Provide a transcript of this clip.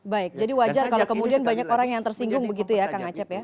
baik jadi wajar kalau kemudian banyak orang yang tersinggung begitu ya kang acep ya